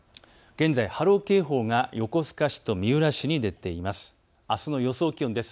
現在、波浪警報が横須賀市と三浦市に出ています。